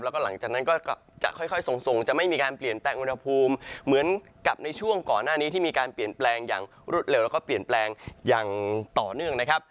แล้วก็หลังจากนั้นก็จะค่อยส่งจะไม่มีการเปลี่ยนแปลงอุณหภูมิเหมือนกับในช่วงก่อนหน้านี้ที่มีการเปลี่ยนแปลงอย่างรวดเร็วแล้วก็เปลี่ยนแปลงอย่างต่อเนื่องนะครับ